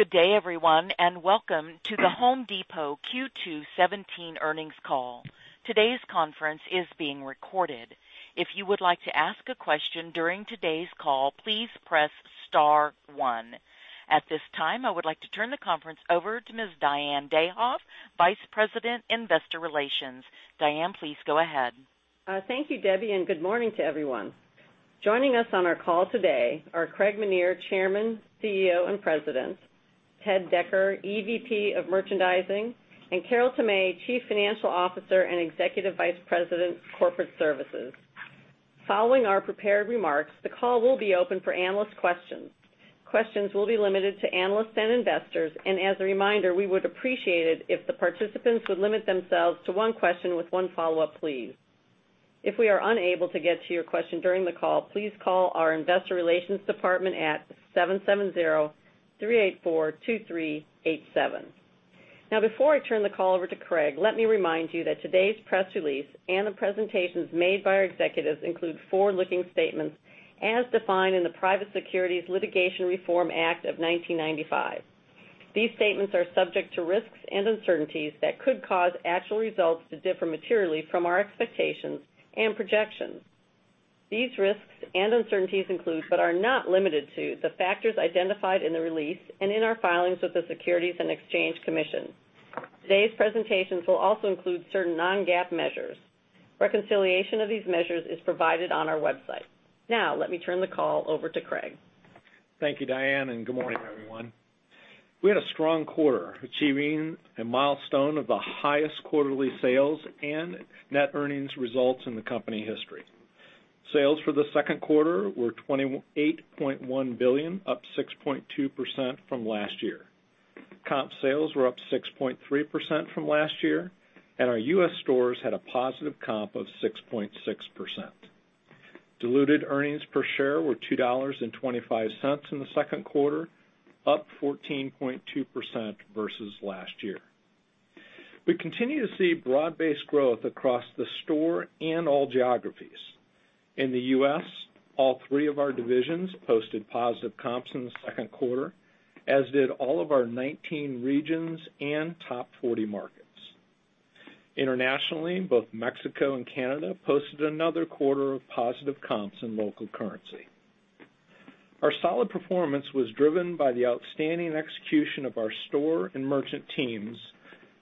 Good day everyone, and welcome to The Home Depot Q2 2018 earnings call. Today's conference is being recorded. If you would like to ask a question during today's call, please press star one. At this time, I would like to turn the conference over to Ms. Isabel Janci, Vice President, Investor Relations. Diane, please go ahead. Thank you, Debbie, and good morning to everyone. Joining us on our call today are Craig Menear, Chairman, CEO, and President, Ted Decker, EVP of Merchandising, and Carol Tomé, Chief Financial Officer and Executive Vice President, Corporate Services. Following our prepared remarks, the call will be open for analyst questions. Questions will be limited to analysts and investors, and as a reminder, we would appreciate it if the participants would limit themselves to one question with one follow-up, please. If we are unable to get to your question during the call, please call our investor relations department at 770-384-2387. Before I turn the call over to Craig, let me remind you that today's press release and the presentations made by our executives include forward-looking statements as defined in the Private Securities Litigation Reform Act of 1995. These statements are subject to risks and uncertainties that could cause actual results to differ materially from our expectations and projections. These risks and uncertainties include, but are not limited to, the factors identified in the release and in our filings with the Securities and Exchange Commission. Today's presentations will also include certain non-GAAP measures. Reconciliation of these measures is provided on our website. Let me turn the call over to Craig. Thank you, Diane, and good morning, everyone. We had a strong quarter, achieving a milestone of the highest quarterly sales and net earnings results in the company history. Sales for the second quarter were $28.1 billion, up 6.2% from last year. Comp sales were up 6.3% from last year, and our U.S. stores had a positive comp of 6.6%. Diluted earnings per share were $2.25 in the second quarter, up 14.2% versus last year. We continue to see broad-based growth across the store and all geographies. In the U.S., all three of our divisions posted positive comps in the second quarter, as did all of our 19 regions and top 40 markets. Internationally, both Mexico and Canada posted another quarter of positive comps in local currency. Our solid performance was driven by the outstanding execution of our store and merchant teams,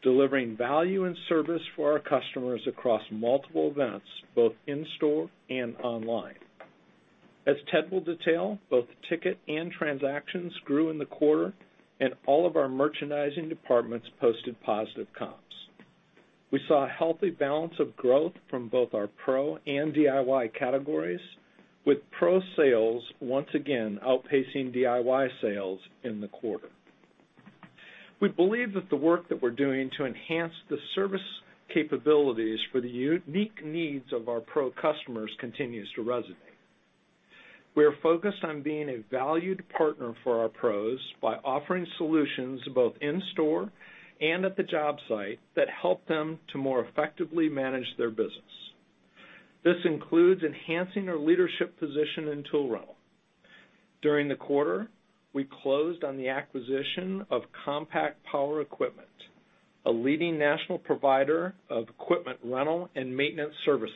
delivering value and service for our customers across multiple events, both in store and online. As Ted will detail, both ticket and transactions grew in the quarter, and all of our merchandising departments posted positive comps. We saw a healthy balance of growth from both our pro and DIY categories, with pro sales once again outpacing DIY sales in the quarter. We believe that the work that we're doing to enhance the service capabilities for the unique needs of our pro customers continues to resonate. We are focused on being a valued partner for our pros by offering solutions both in store and at the job site that help them to more effectively manage their business. This includes enhancing our leadership position in tool rental. During the quarter, we closed on the acquisition of Compact Power Equipment, a leading national provider of equipment rental and maintenance services.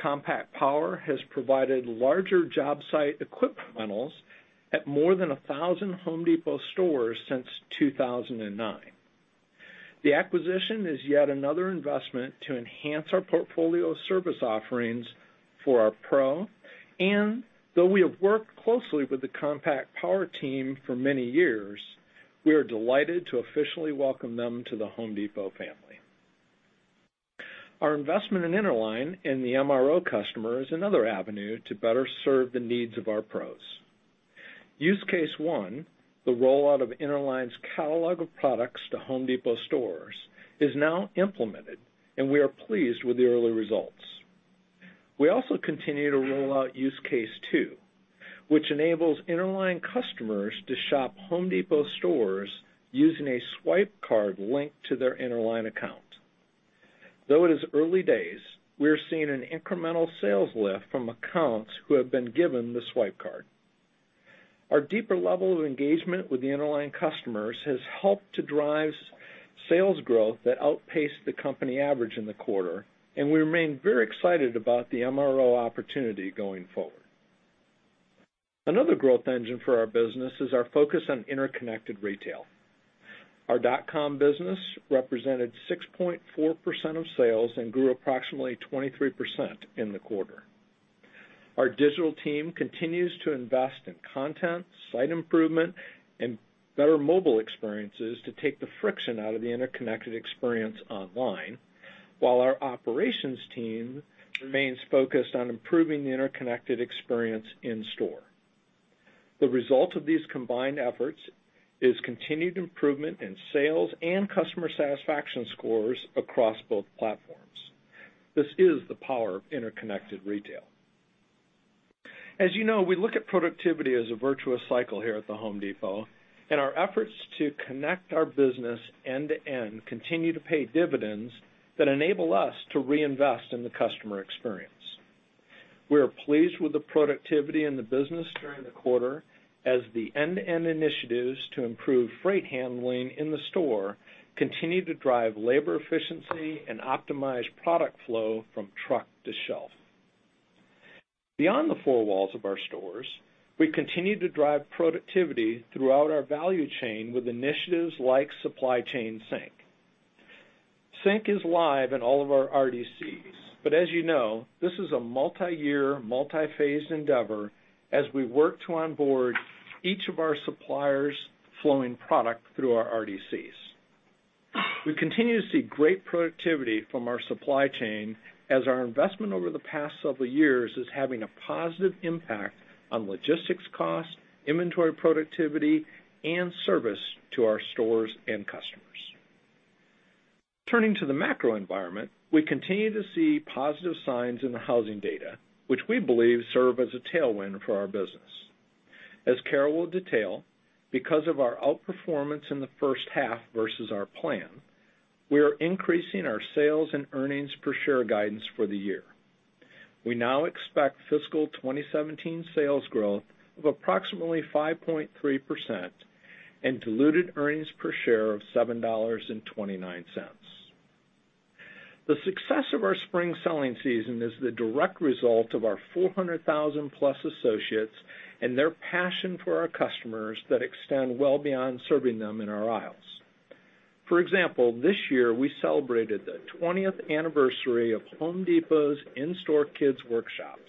Compact Power has provided larger job site equipment rentals at more than 1,000 The Home Depot stores since 2009. The acquisition is yet another investment to enhance our portfolio service offerings for our pro, and though we have worked closely with the Compact Power team for many years, we are delighted to officially welcome them to The Home Depot family. Our investment in Interline Brands and the MRO customer is another avenue to better serve the needs of our pros. Use case 1, the rollout of Interline Brands' catalog of products to The Home Depot stores, is now implemented, and we are pleased with the early results. We also continue to roll out use case 2, which enables Interline Brands customers to shop The Home Depot stores using a swipe card linked to their Interline Brands account. Though it is early days, we are seeing an incremental sales lift from accounts who have been given the swipe card. Our deeper level of engagement with the Interline Brands customers has helped to drive sales growth that outpaced the company average in the quarter, and we remain very excited about the MRO opportunity going forward. Another growth engine for our business is our focus on interconnected retail. Our dot-com business represented 6.4% of sales and grew approximately 23% in the quarter. Our digital team continues to invest in content, site improvement, and better mobile experiences to take the friction out of the interconnected experience online, while our operations team remains focused on improving the interconnected experience in store. The result of these combined efforts is continued improvement in sales and customer satisfaction scores across both platforms. This is the power of interconnected retail. Our efforts to connect our business end to end continue to pay dividends that enable us to reinvest in the customer experience. We are pleased with the productivity in the business during the quarter as the end-to-end initiatives to improve freight handling in the store continue to drive labor efficiency and optimize product flow from truck to shelf. Beyond the four walls of our stores, we continue to drive productivity throughout our value chain with initiatives like Supply Chain Sync. Sync is live in all of our RDCs, as you know, this is a multi-year, multi-phased endeavor as we work to onboard each of our suppliers flowing product through our RDCs. We continue to see great productivity from our supply chain as our investment over the past several years is having a positive impact on logistics costs, inventory productivity, and service to our stores and customers. Turning to the macro environment, we continue to see positive signs in the housing data, which we believe serve as a tailwind for our business. As Carol will detail, because of our outperformance in the first half versus our plan, we are increasing our sales and earnings per share guidance for the year. We now expect fiscal 2017 sales growth of approximately 5.3% and diluted earnings per share of $7.29. The success of our spring selling season is the direct result of our 400,000-plus associates and their passion for our customers that extend well beyond serving them in our aisles. For example, this year we celebrated the 20th anniversary of Home Depot's in-store Kids Workshops.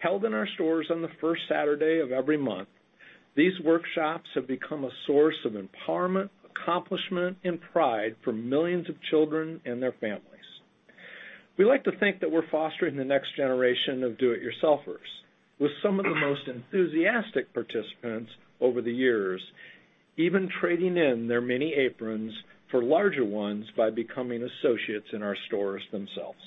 Held in our stores on the first Saturday of every month, these workshops have become a source of empowerment, accomplishment, and pride for millions of children and their families. We like to think that we're fostering the next generation of do-it-yourselfers, with some of the most enthusiastic participants over the years, even trading in their mini aprons for larger ones by becoming associates in our stores themselves.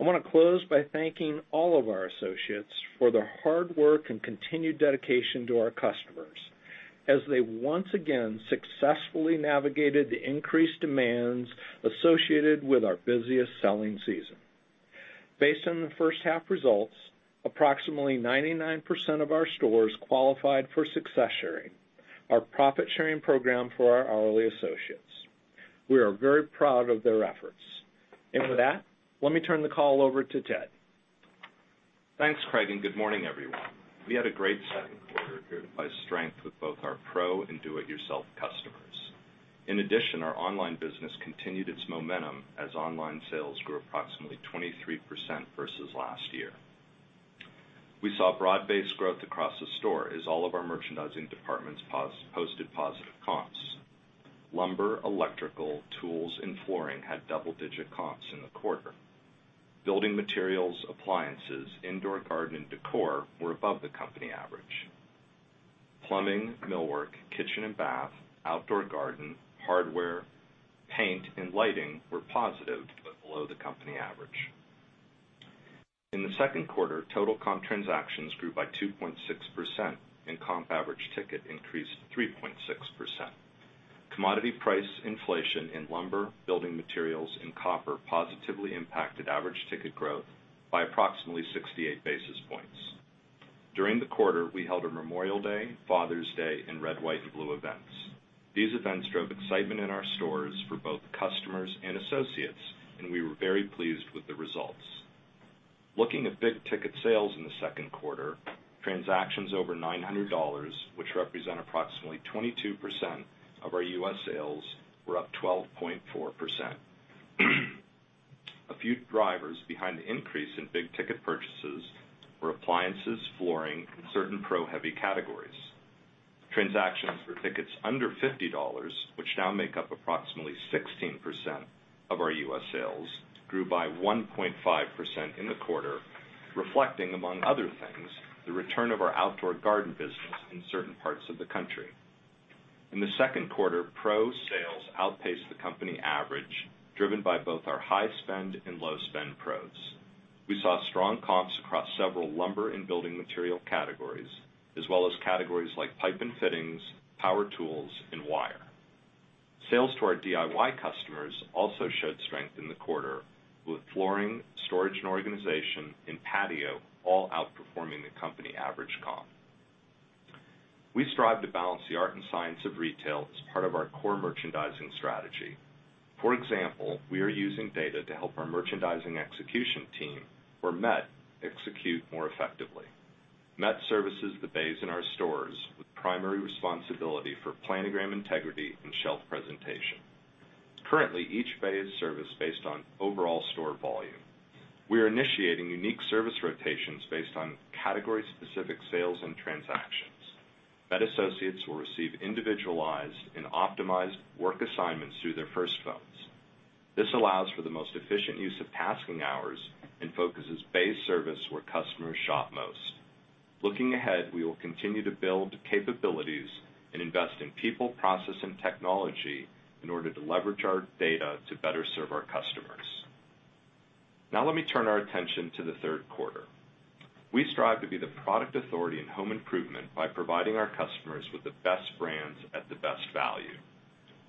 I want to close by thanking all of our associates for their hard work and continued dedication to our customers as they once again successfully navigated the increased demands associated with our busiest selling season. Based on the first half results, approximately 99% of our stores qualified for Success Sharing, our profit-sharing program for our hourly associates. We are very proud of their efforts. With that, let me turn the call over to Ted. Thanks, Craig, good morning, everyone. We had a great second quarter driven by strength with both our pro and do-it-yourself customers. In addition, our online business continued its momentum as online sales grew approximately 23% versus last year. We saw broad-based growth across the store as all of our merchandising departments posted positive comps. Lumber, electrical, tools, and flooring had double-digit comps in the quarter. Building materials, appliances, indoor garden, and decor were above the company average. Plumbing, millwork, kitchen and bath, outdoor garden, hardware, paint, and lighting were positive but below the company average. In the second quarter, total comp transactions grew by 2.6% and comp average ticket increased 3.6%. Commodity price inflation in lumber, building materials, and copper positively impacted average ticket growth by approximately 68 basis points. During the quarter, we held a Memorial Day, Father's Day, and Red, White, and Blue events. These events drove excitement in our stores for both customers and associates, and we were very pleased with the results. Looking at big-ticket sales in the second quarter, transactions over $900, which represent approximately 22% of our U.S. sales, were up 12.4%. A few drivers behind the increase in big-ticket purchases were appliances, flooring, and certain pro-heavy categories. Transactions for tickets under $50, which now make up approximately 16% of our U.S. sales, grew by 1.5% in the quarter, reflecting, among other things, the return of our outdoor garden business in certain parts of the country. In the second quarter, pro sales outpaced the company average, driven by both our high-spend and low-spend pros. We saw strong comps across several lumber and building material categories, as well as categories like pipe and fittings, power tools, and wire. Sales to our DIY customers also showed strength in the quarter, with flooring, storage and organization, and patio all outperforming the company average comp. We strive to balance the art and science of retail as part of our core merchandising strategy. For example, we are using data to help our merchandising execution team, or MET, execute more effectively. MET services the bays in our stores with primary responsibility for planogram integrity and shelf presentation. Currently, each bay is serviced based on overall store volume. We are initiating unique service rotations based on category-specific sales and transactions. MET associates will receive individualized and optimized work assignments through their FIRST Phones. This allows for the most efficient use of tasking hours and focuses bay service where customers shop most. Looking ahead, we will continue to build capabilities and invest in people, process, and technology in order to leverage our data to better serve our customers. Now let me turn our attention to the third quarter. We strive to be the product authority in home improvement by providing our customers with the best brands at the best value.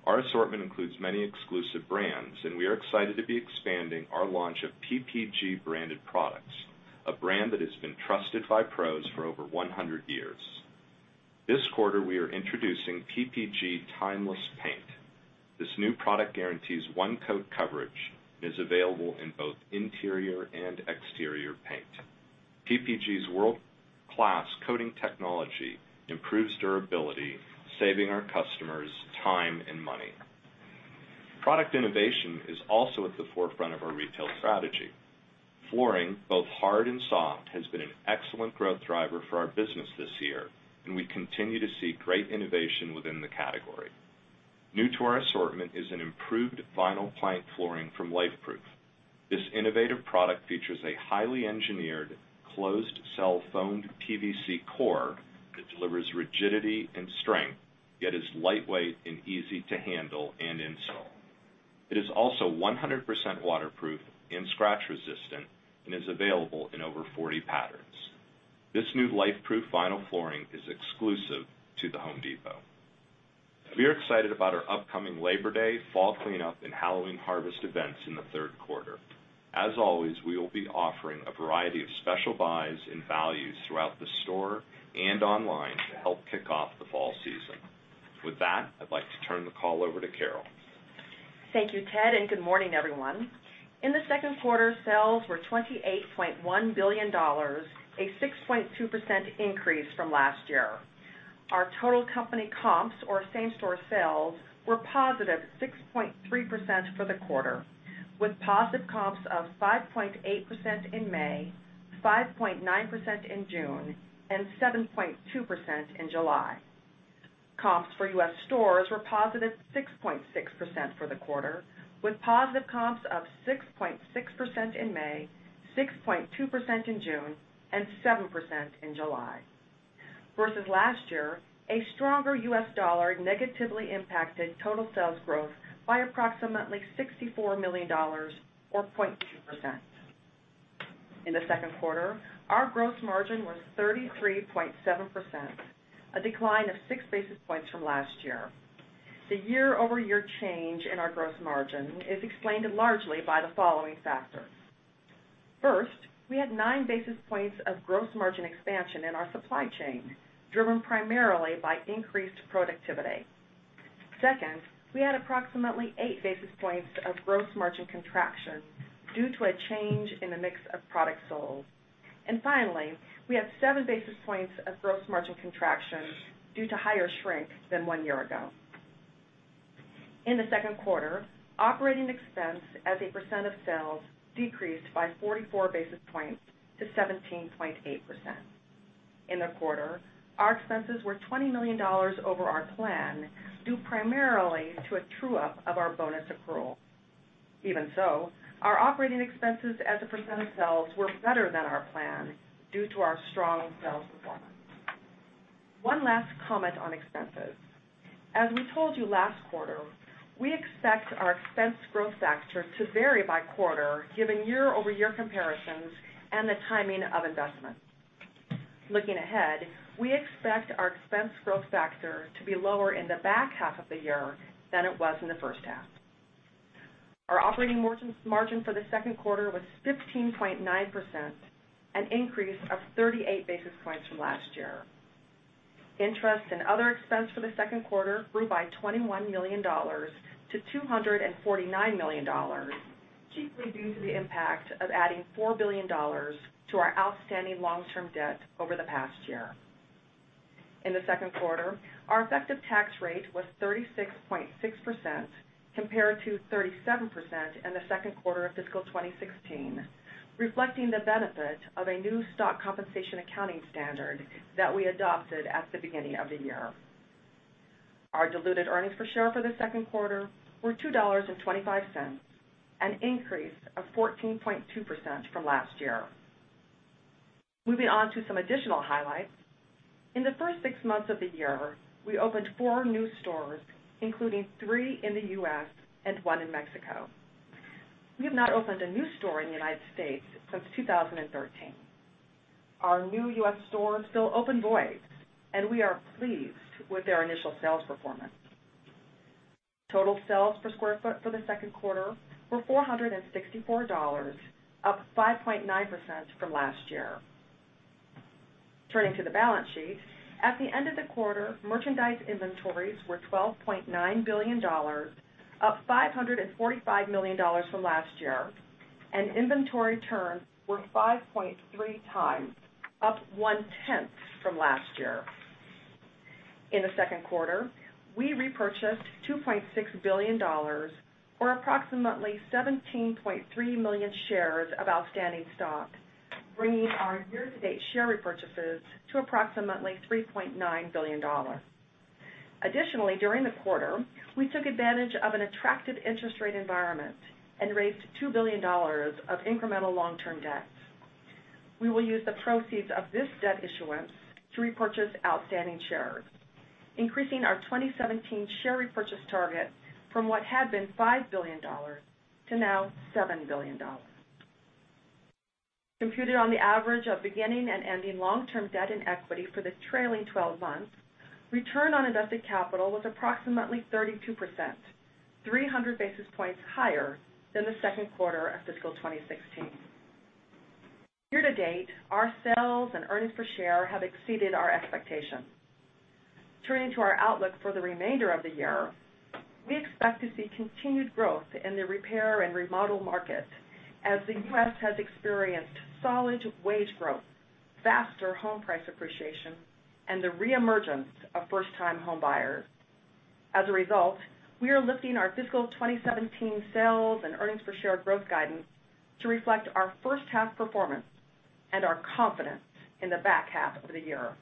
Our assortment includes many exclusive brands, and we are excited to be expanding our launch of PPG branded products, a brand that has been trusted by pros for over 100 years. This quarter, we are introducing PPG Timeless Paint. This new product guarantees one coat coverage and is available in both interior and exterior paint. PPG's world-class coating technology improves durability, saving our customers time and money. Product innovation is also at the forefront of our retail strategy. Flooring, both hard and soft, has been an excellent growth driver for our business this year, and we continue to see great innovation within the category. New to our assortment is an improved vinyl plank flooring from Lifeproof. This innovative product features a highly engineered closed-cell foamed PVC core that delivers rigidity and strength, yet is lightweight and easy to handle and install. It is also 100% waterproof and scratch-resistant and is available in over 40 patterns. This new Lifeproof vinyl flooring is exclusive to The Home Depot. We are excited about our upcoming Labor Day, Fall Cleanup, and Halloween Harvest events in the third quarter. As always, we will be offering a variety of special buys and values throughout the store and online to help kick off the fall season. With that, I'd like to turn the call over to Carol. Thank you, Ted, and good morning, everyone. In the second quarter, sales were $28.1 billion, a 6.2% increase from last year. Our total company comps or same-store sales were positive 6.3% for the quarter, with positive comps of 5.8% in May, 5.9% in June, and 7.2% in July. Comps for U.S. stores were positive 6.6% for the quarter, with positive comps of 6.6% in May, 6.2% in June, and 7% in July. Versus last year, a stronger U.S. dollar negatively impacted total sales growth by approximately $64 million or 0.2%. In the second quarter, our gross margin was 33.7%, a decline of six basis points from last year. The year-over-year change in our gross margin is explained largely by the following factors. First, we had nine basis points of gross margin expansion in our supply chain, driven primarily by increased productivity. Second, we had approximately eight basis points of gross margin contraction due to a change in the mix of products sold. Finally, we have seven basis points of gross margin contraction due to higher shrink than one year ago. In the second quarter, operating expense as a percent of sales decreased by 44 basis points to 17.8%. In the quarter, our expenses were $20 million over our plan, due primarily to a true-up of our bonus accrual. Even so, our operating expenses as a percent of sales were better than our plan due to our strong sales performance. One last comment on expenses. As we told you last quarter, we expect our expense growth factor to vary by quarter given year-over-year comparisons and the timing of investments. Looking ahead, we expect our expense growth factor to be lower in the back half of the year than it was in the first half. Our operating margin for the second quarter was 15.9%, an increase of 38 basis points from last year. Interest and other expense for the second quarter grew by $21 million to $249 million, chiefly due to the impact of adding $4 billion to our outstanding long-term debt over the past year. In the second quarter, our effective tax rate was 36.6%, compared to 37% in the second quarter of fiscal 2016, reflecting the benefit of a new stock compensation accounting standard that we adopted at the beginning of the year. Our diluted earnings per share for the second quarter were $2.25, an increase of 14.2% from last year. Moving on to some additional highlights. In the first six months of the year, we opened four new stores, including three in the U.S. and one in Mexico. We have not opened a new store in the United States since 2013. Our new U.S. stores [feel open voice], and we are pleased with their initial sales performance. Total sales per square foot for the second quarter were $464, up 5.9% from last year. Turning to the balance sheet. At the end of the quarter, merchandise inventories were $12.9 billion, up $545 million from last year, and inventory turns were 5.3 times, up one tenth from last year. In the second quarter, we repurchased $2.6 billion or approximately 17.3 million shares of outstanding stock, bringing our year-to-date share repurchases to approximately $3.9 billion. Additionally, during the quarter, we took advantage of an attractive interest rate environment and raised $2 billion of incremental long-term debts. We will use the proceeds of this debt issuance to repurchase outstanding shares, increasing our 2017 share repurchase target from what had been $5 billion to now $7 billion. Computed on the average of beginning and ending long-term debt and equity for the trailing 12 months, return on invested capital was approximately 32%, 300 basis points higher than the second quarter of fiscal 2016. Year-to-date, our sales and earnings per share have exceeded our expectations. Turning to our outlook for the remainder of the year, we expect to see continued growth in the repair and remodel market as the U.S. has experienced solid wage growth, faster home price appreciation, and the reemergence of first-time home buyers. As a result, we are lifting our fiscal 2017 sales and earnings per share growth guidance to reflect our first half performance and our confidence in the back half of the year.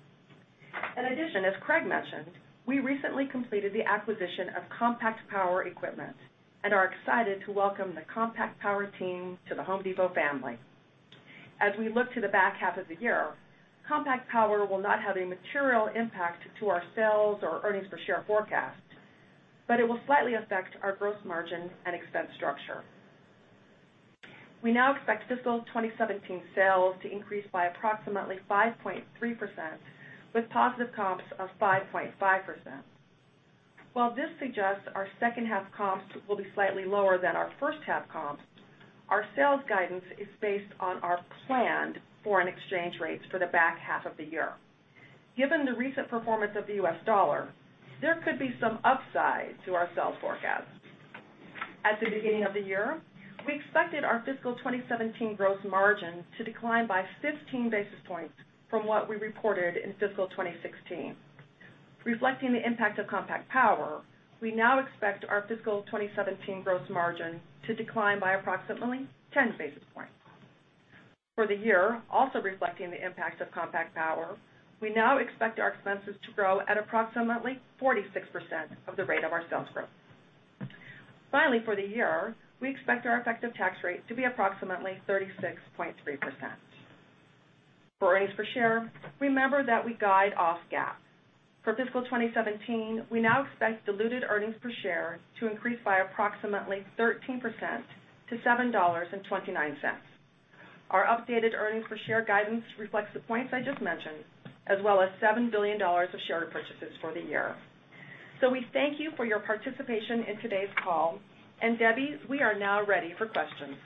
In addition, as Craig mentioned, we recently completed the acquisition of Compact Power Equipment and are excited to welcome the Compact Power team to The Home Depot family. As we look to the back half of the year, Compact Power will not have a material impact to our sales or earnings per share forecast, but it will slightly affect our gross margin and expense structure. We now expect fiscal 2017 sales to increase by approximately 5.3% with positive comps of 5.5%. While this suggests our second half comps will be slightly lower than our first half comps, our sales guidance is based on our planned foreign exchange rates for the back half of the year. Given the recent performance of the U.S. dollar, there could be some upside to our sales forecast. At the beginning of the year, we expected our fiscal 2017 gross margin to decline by 15 basis points from what we reported in fiscal 2016. Reflecting the impact of Compact Power, we now expect our fiscal 2017 gross margin to decline by approximately 10 basis points. For the year, also reflecting the impact of Compact Power, we now expect our expenses to grow at approximately 46% of the rate of our sales growth. Finally, for the year, we expect our effective tax rate to be approximately 36.3%. For earnings per share, remember that we guide off GAAP. For fiscal 2017, we now expect diluted earnings per share to increase by approximately 13% to $7.29. Our updated earnings per share guidance reflects the points I just mentioned, as well as $7 billion of share repurchases for the year. We thank you for your participation in today's call. Debbie, we are now ready for questions.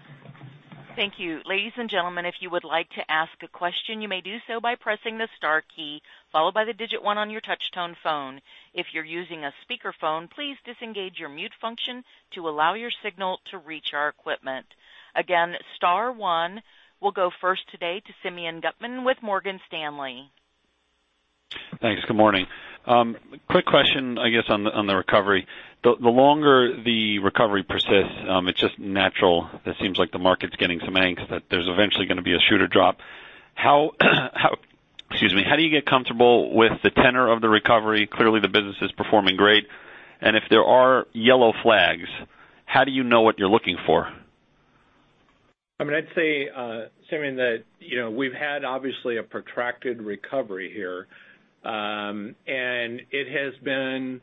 Thank you. Ladies and gentlemen, if you would like to ask a question, you may do so by pressing the star key followed by the digit 1 on your touch-tone phone. If you're using a speakerphone, please disengage your mute function to allow your signal to reach our equipment. Again, star one. We'll go first today to Simeon Gutman with Morgan Stanley. Thanks. Good morning. Quick question, I guess, on the recovery. The longer the recovery persists, it's just natural, it seems like the market's getting some angst that there's eventually going to be a shoe to drop. How do you get comfortable with the tenor of the recovery? Clearly, the business is performing great. If there are yellow flags, how do you know what you're looking for? I'd say, Simeon, that we've had obviously a protracted recovery here. It has been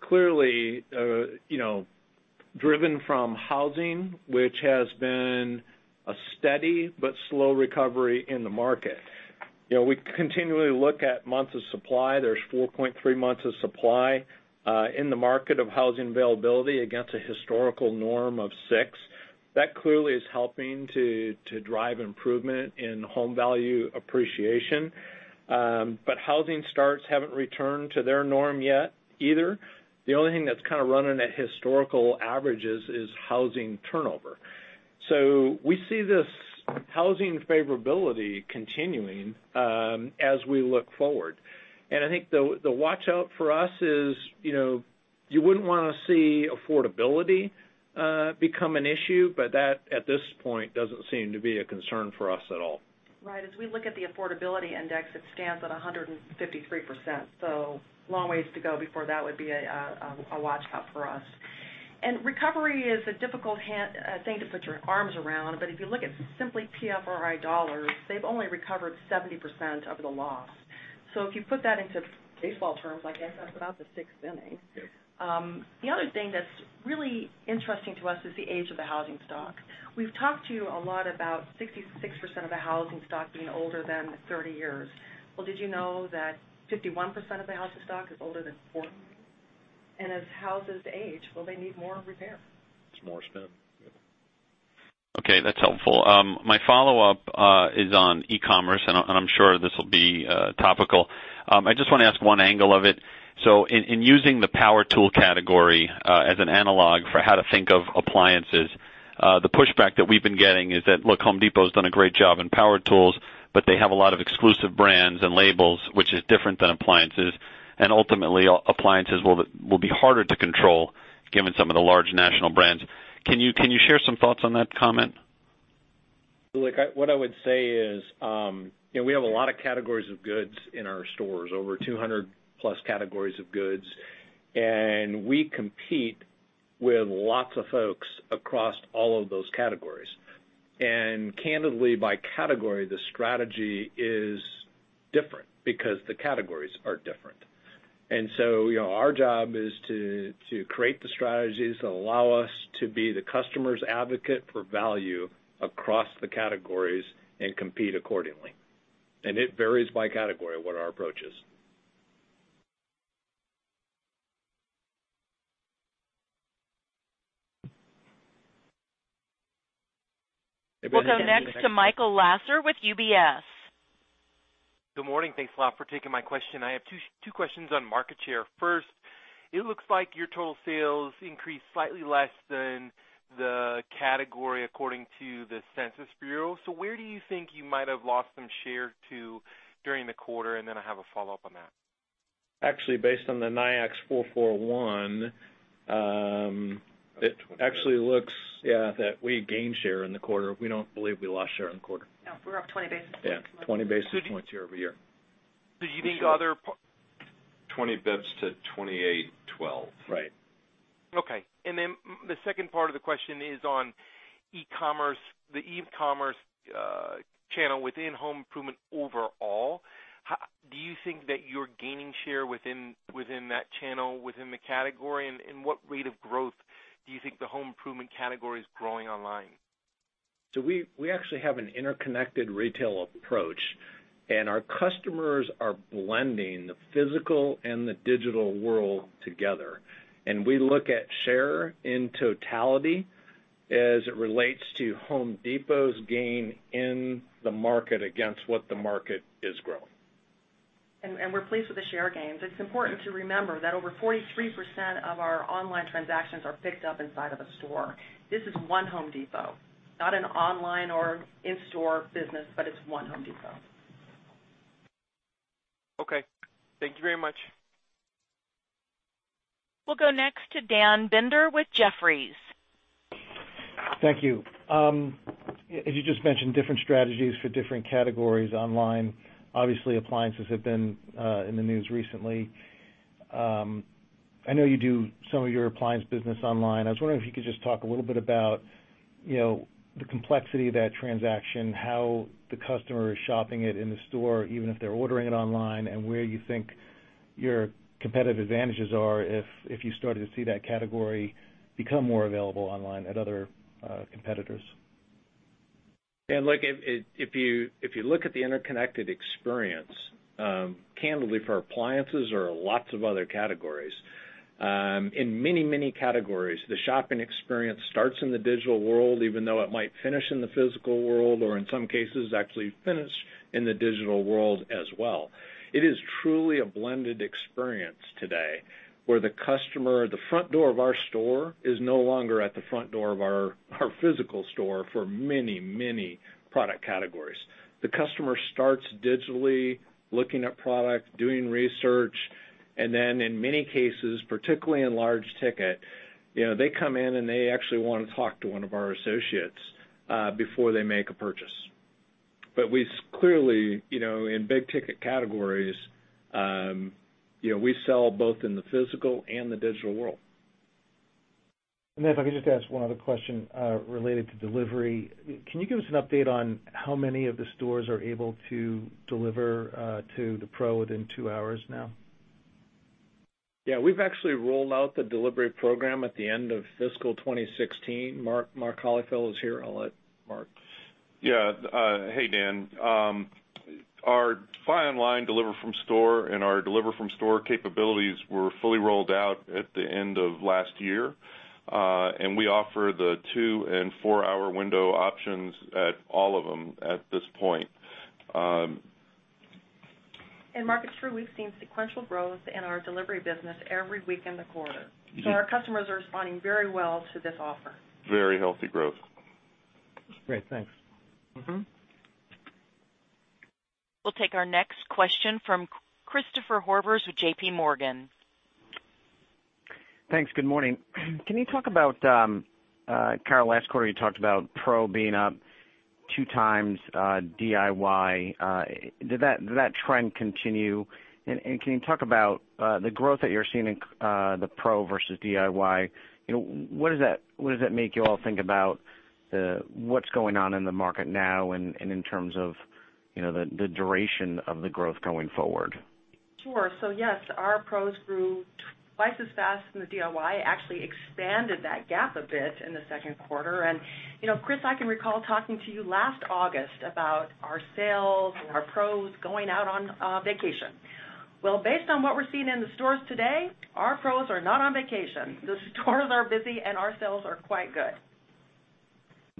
clearly driven from housing, which has been a steady but slow recovery in the market. We continually look at months of supply. There's 4.3 months of supply in the market of housing availability against a historical norm of six. That clearly is helping to drive improvement in home value appreciation. Housing starts haven't returned to their norm yet either. The only thing that's running at historical averages is housing turnover. We see this housing favorability continuing as we look forward. I think the watch-out for us is you wouldn't want to see affordability become an issue, but that, at this point, doesn't seem to be a concern for us at all. Right. As we look at the affordability index, it stands at 153%, so long ways to go before that would be a watch-out for us. Recovery is a difficult thing to put your arms around. If you look at simply PRFI dollars, they've only recovered 70% of the loss. If you put that into baseball terms, I guess that's about the sixth inning. Yes. The other thing that's really interesting to us is the age of the housing stock. We've talked to you a lot about 66% of the housing stock being older than 30 years. Well, did you know that 51% of the housing stock is older than 40? As houses age, well, they need more repair. It's more spend. Yeah. Okay, that's helpful. My follow-up is on e-commerce, and I'm sure this will be topical. I just want to ask one angle of it. In using the power tool category as an analog for how to think of appliances, the pushback that we've been getting is that, look, Home Depot has done a great job in power tools, but they have a lot of exclusive brands and labels, which is different than appliances, and ultimately, appliances will be harder to control given some of the large national brands. Can you share some thoughts on that comment? Look, what I would say is we have a lot of categories of goods in our stores, over 200+ categories of goods. We compete with lots of folks across all of those categories. Candidly, by category, the strategy is different because the categories are different. Our job is to create the strategies that allow us to be the customer's advocate for value across the categories and compete accordingly. It varies by category what our approach is. We'll go next to Michael Lasser with UBS. Good morning. Thanks a lot for taking my question. I have two questions on market share. First, it looks like your total sales increased slightly less than the category, according to the Census Bureau. Where do you think you might have lost some share to during the quarter? I have a follow-up on that. Based on the NAICS 4441, it actually looks that we gained share in the quarter. We don't believe we lost share in the quarter. We're up 20 basis points. 20 basis points year-over-year. Do you think 20 basis points to 28.12. Right. Okay. The second part of the question is on the e-commerce channel within home improvement overall. Do you think that you're gaining share within that channel, within the category? What rate of growth do you think the home improvement category is growing online? We actually have an interconnected retail approach, and our customers are blending the physical and the digital world together. We look at share in totality as it relates to Home Depot's gain in the market against what the market is growing. We're pleased with the share gains. It's important to remember that over 43% of our online transactions are picked up inside of a store. This is one Home Depot, not an online or in-store business, but it's one Home Depot. Okay. Thank you very much. We'll go next to Daniel Binder with Jefferies. Thank you. As you just mentioned, different strategies for different categories online. Obviously, appliances have been in the news recently. I know you do some of your appliance business online. I was wondering if you could just talk a little bit about the complexity of that transaction, how the customer is shopping it in the store, even if they're ordering it online, and where you think your competitive advantages are if you started to see that category become more available online at other competitors. Dan, look, if you look at the interconnected experience, candidly for appliances or lots of other categories, in many categories, the shopping experience starts in the digital world, even though it might finish in the physical world, or in some cases, actually finish in the digital world as well. It is truly a blended experience today, where the customer at the front door of our store is no longer at the front door of our physical store for many product categories. The customer starts digitally looking at product, doing research, and then in many cases, particularly in large ticket, they come in, and they actually want to talk to one of our associates before they make a purchase. We clearly, in big ticket categories, we sell both in the physical and the digital world. If I could just ask one other question related to delivery. Can you give us an update on how many of the stores are able to deliver to the pro within two hours now? Yeah, we've actually rolled out the delivery program at the end of fiscal 2016. Mark Holifield is here. I'll let Mark Yeah. Hey, Dan. Our buy online, deliver from store, and our deliver from store capabilities were fully rolled out at the end of last year. We offer the two and four-hour window options at all of them at this point. Mark, it's true, we've seen sequential growth in our delivery business every week in the quarter. Our customers are responding very well to this offer. Very healthy growth. Great. Thanks. We'll take our next question from Christopher Horvers with J.P. Morgan. Thanks. Good morning. Can you talk about, Carol, last quarter you talked about Pro being up two times DIY. Did that trend continue? Can you talk about the growth that you're seeing in the Pro versus DIY? What does that make you all think about what's going on in the market now and in terms of the duration of the growth going forward? Sure. Yes, our pros grew twice as fast, and the DIY actually expanded that gap a bit in the second quarter. Chris, I can recall talking to you last August about our sales and our pros going out on vacation. Well, based on what we're seeing in the stores today, our pros are not on vacation. The stores are busy, and our sales are quite good.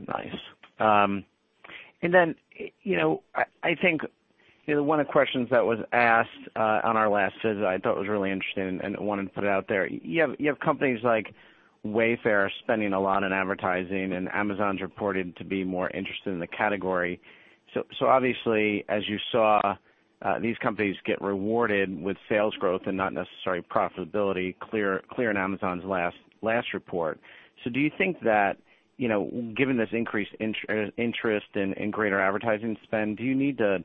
Nice. Then, I think one of the questions that was asked on our last visit, I thought was really interesting and wanted to put it out there. You have companies like Wayfair spending a lot on advertising, and Amazon's reported to be more interested in the category. Obviously, as you saw these companies get rewarded with sales growth and not necessarily profitability, clear in Amazon's last report. Do you think that, given this increased interest in greater advertising spend, do you need to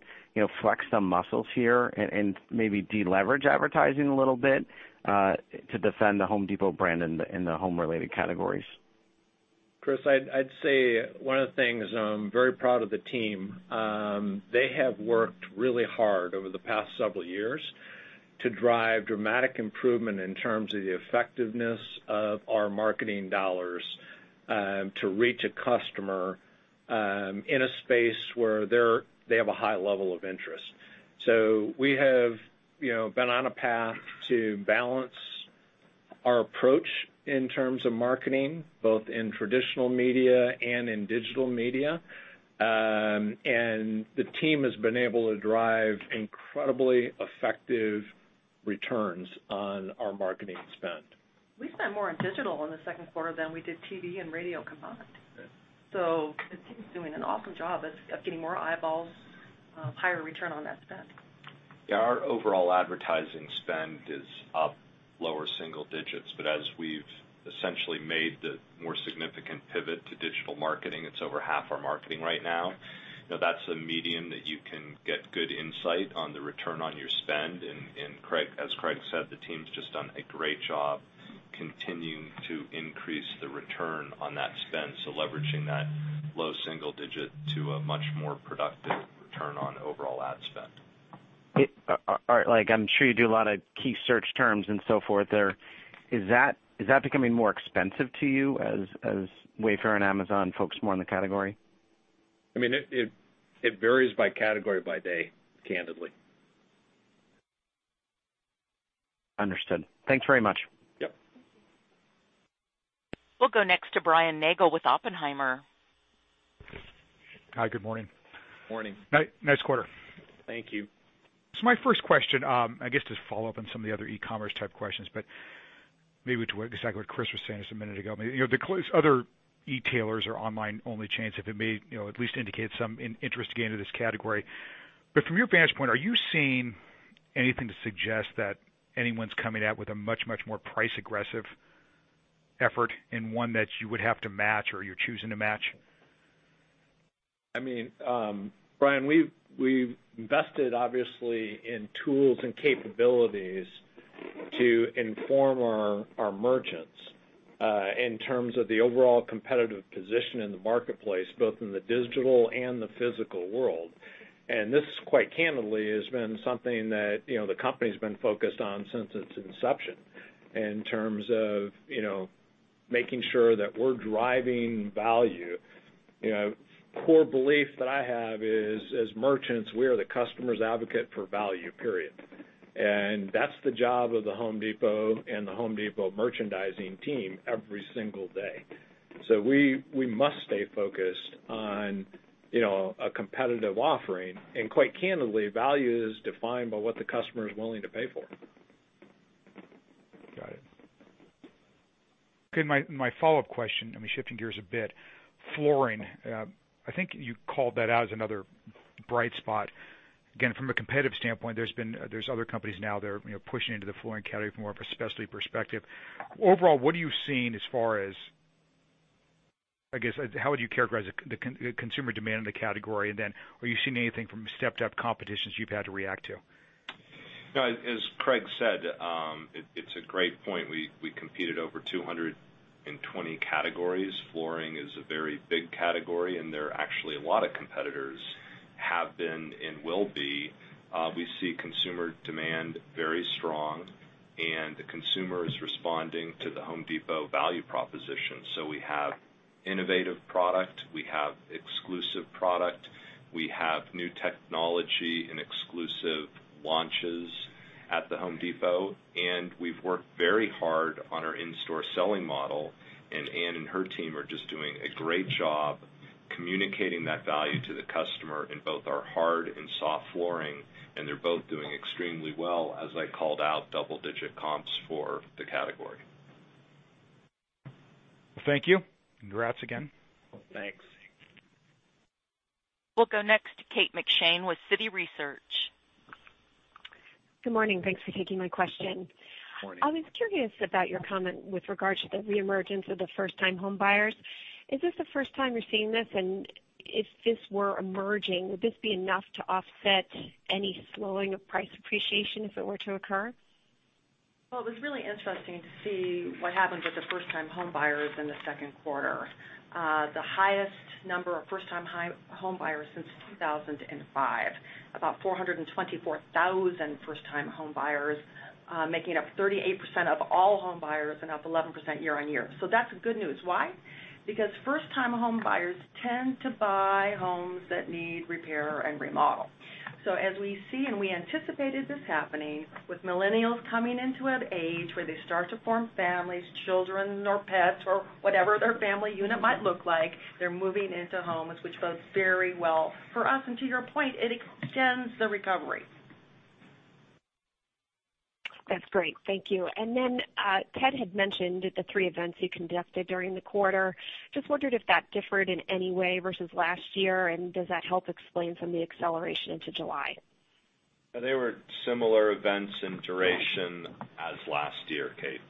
flex some muscles here and maybe de-leverage advertising a little bit to defend The Home Depot brand in the home-related categories? Chris, I'd say one of the things, I'm very proud of the team. They have worked really hard over the past several years to drive dramatic improvement in terms of the effectiveness of our marketing dollars to reach a customer in a space where they have a high level of interest. We have been on a path to balance our approach in terms of marketing, both in traditional media and in digital media. The team has been able to drive incredibly effective returns on our marketing spend. We spent more on digital in the second quarter than we did TV and radio combined. Yes. The team's doing an awesome job of getting more eyeballs, higher return on that spend. Our overall advertising spend is up lower single digits, but as we've essentially made the more significant pivot to digital marketing, it's over half our marketing right now. That's a medium that you can get good insight on the return on your spend. As Craig said, the team's just done a great job continuing to increase the return on that spend. Leveraging that low single digit to a much more productive return on overall ad spend. I'm sure you do a lot of key search terms and so forth there. Is that becoming more expensive to you as Wayfair and Amazon focus more on the category? It varies by category by day, candidly. Understood. Thanks very much. Yep. Thank you. We'll go next to Brian Nagel with Oppenheimer. Hi, good morning. Morning. Nice quarter. Thank you. My first question, I guess to follow up on some of the other e-commerce type questions, but maybe to exactly what Chris was saying just a minute ago. Maybe, the other e-tailers or online-only chains, if it may at least indicate some interest, again, to this category. From your vantage point, are you seeing anything to suggest that anyone's coming out with a much, much more price-aggressive effort and one that you would have to match or you're choosing to match? Brian, we've invested, obviously, in tools and capabilities to inform our merchants in terms of the overall competitive position in the marketplace, both in the digital and the physical world. This, quite candidly, has been something that the company's been focused on since its inception in terms of making sure that we're driving value. Core belief that I have is, as merchants, we are the customer's advocate for value, period. That's the job of The Home Depot and The Home Depot merchandising team every single day. We must stay focused on a competitive offering. Quite candidly, value is defined by what the customer is willing to pay for. Got it. Okay, my follow-up question, shifting gears a bit. Flooring. I think you called that out as another bright spot. Again, from a competitive standpoint, there's other companies now that are pushing into the flooring category from more of a specialty perspective. Overall, what are you seeing as far as, how would you characterize the consumer demand in the category? Are you seeing anything from stepped-up competition you've had to react to? As Craig said, it's a great point. We competed over 220 categories. Flooring is a very big category, there are actually a lot of competitors, have been and will be. We see consumer demand very strong, the consumer is responding to The Home Depot value proposition. We have innovative product, we have exclusive product, we have new technology and exclusive launches at The Home Depot, and we've worked very hard on our in-store selling model. Anne and her team are just doing a great job communicating that value to the customer in both our hard and soft flooring, and they're both doing extremely well. As I called out, double-digit comps for the category. Thank you, and congrats again. Thanks. We'll go next to Kate McShane with Citi Research. Good morning. Thanks for taking my question. Morning. I was curious about your comment with regard to the reemergence of the first-time homebuyers. Is this the first time you're seeing this? If this were emerging, would this be enough to offset any slowing of price appreciation if it were to occur? Well, it was really interesting to see what happened with the first-time homebuyers in the second quarter. The highest number of first-time homebuyers since 2005. About 424,000 first-time homebuyers, making up 38% of all homebuyers and up 11% year-on-year. That's good news. Why? Because first-time homebuyers tend to buy homes that need repair and remodel. As we see, we anticipated this happening with millennials coming into an age where they start to form families, children or pets or whatever their family unit might look like, they're moving into homes, which bodes very well for us. To your point, it extends the recovery. That's great. Thank you. Ted had mentioned the three events you conducted during the quarter. Just wondered if that differed in any way versus last year, and does that help explain some of the acceleration into July? They were similar events in duration as last year, Kate.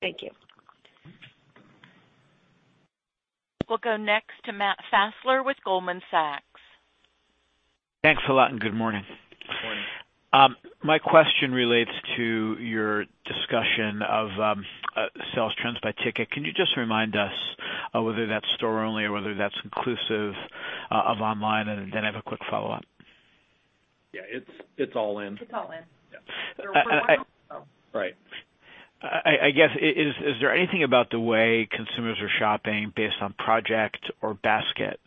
Thank you. We'll go next to Matt Fassler with Goldman Sachs. Thanks a lot, and good morning. Good morning. My question relates to your discussion of sales trends by ticket. Can you just remind us whether that's store-only or whether that's inclusive of online? I have a quick follow-up. Yeah, it's all in. It's all in. Yeah. They're all. Right. I guess, is there anything about the way consumers are shopping based on project or basket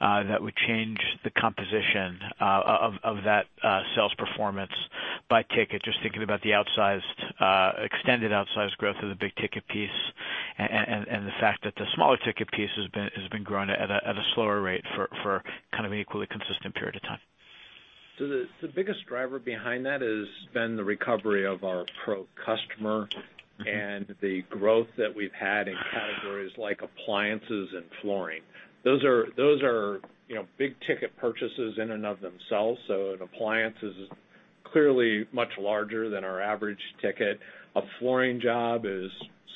that would change the composition of that sales performance by ticket? Just thinking about the extended outsized growth of the big ticket piece and the fact that the smaller ticket piece has been growing at a slower rate for an equally consistent period of time. The biggest driver behind that has been the recovery of our pro customer and the growth that we've had in categories like appliances and flooring. Those are big ticket purchases in and of themselves, so an appliance is clearly much larger than our average ticket. A flooring job is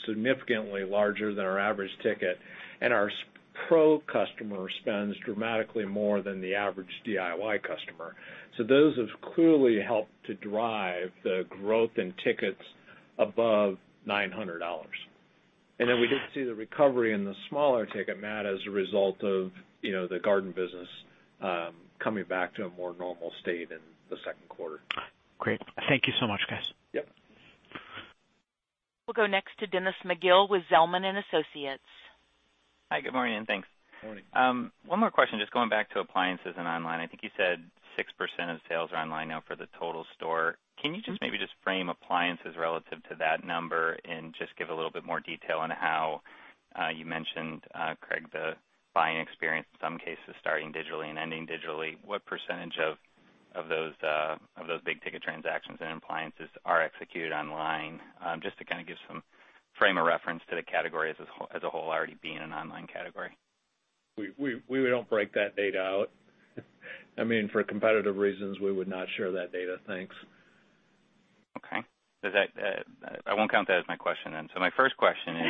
significantly larger than our average ticket, and our pro customer spends dramatically more than the average DIY customer. Those have clearly helped to drive the growth in tickets above $900. Then we did see the recovery in the smaller ticket, Matt, as a result of the garden business coming back to a more normal state in the second quarter. Great. Thank you so much, guys. Yep. We'll go next to Dennis McGill with Zelman & Associates. Hi, good morning, and thanks. Morning. One more question, just going back to appliances and online. I think you said 6% of sales are online now for the total store. Can you just maybe just frame appliances relative to that number and just give a little bit more detail on how you mentioned, Craig, the buying experience in some cases starting digitally and ending digitally. What percentage of those big ticket transactions and appliances are executed online? Just to give some frame of reference to the category as a whole already being an online category. We don't break that data out. I mean, for competitive reasons, we would not share that data. Thanks. Okay. I won't count that as my question then. My first question is.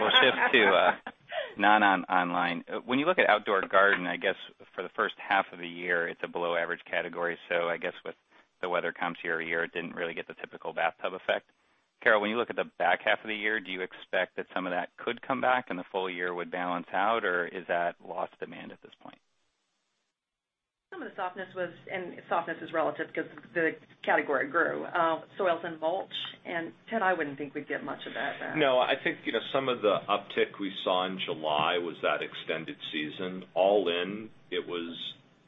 We'll shift to non-online. When you look at outdoor garden, I guess for the first half of the year, it's a below average category. I guess with the weather comps year-over-year, it didn't really get the typical bathtub effect. Carol, when you look at the back half of the year, do you expect that some of that could come back and the full year would balance out, or is that lost demand at this point? Some of the softness was. Softness is relative because the category grew, soils and mulch. Ted, I wouldn't think we'd get much of that back. No, I think some of the uptick we saw in July was that extended season. All in, it was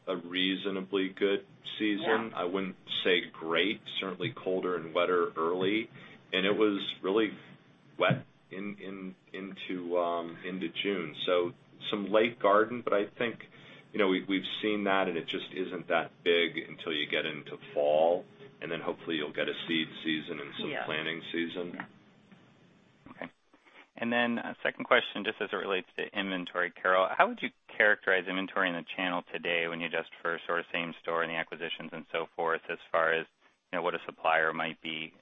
a reasonably good season. Yeah. I wouldn't say great. Certainly colder and wetter early. It was really wet into June. Some late garden. I think we've seen that. It just isn't that big until you get into fall. Then hopefully you'll get a seed season and some. Yeah planting season. Okay. Then second question, just as it relates to inventory. Carol, how would you characterize inventory in the channel today when you adjust for same store and the acquisitions and so forth as far as what a supplier might be